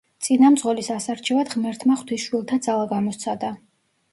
წინამძღოლის ასარჩევად ღმერთმა ხვთისშვილთა ძალა გამოსცადა.